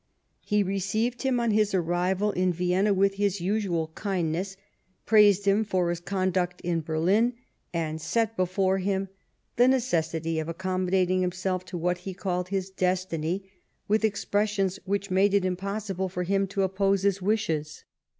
Fie received him on his arrival in Vienna with his usual kindness ; praised him for his conduct in Berlin ; and set before him the necessity of accommodating himself to what he called his destiny, with expressions which made it impossible for him to oppose his wishes.